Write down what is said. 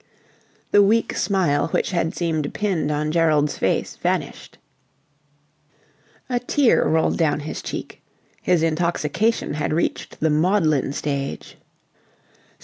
The weak smile which had seemed pinned on Gerald's face vanished. A tear rolled down his cheek. His intoxication had reached the maudlin stage.